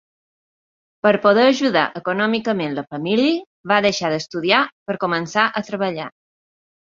Per poder ajudar econòmicament la família, va deixar d'estudiar per començar a treballar.